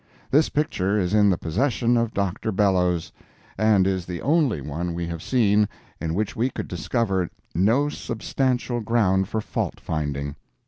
This picture is in the possession of Dr. Bellows, and is the only one we have seen in which we could discover no substantial ground for fault finding.